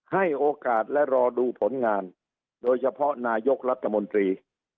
ให้โอกาสและรอดูผลงานโดยเฉพาะนายกรัฐมนตรี